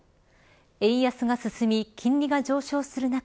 円安が進み、金利が上昇する中